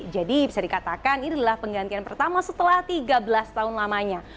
jadi bisa dikatakan ini adalah penggantian pertama setelah tiga belas tahun lamanya